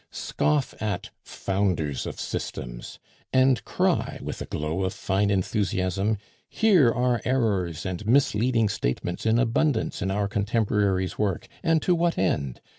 "Scoff at Founders of Systems. And cry with a glow of fine enthusiasm, 'Here are errors and misleading statements in abundance in our contemporary's work, and to what end?